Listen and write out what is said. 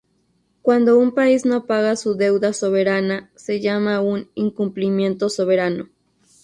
Cuando un país no paga su deuda soberana, se llama un incumplimiento soberano.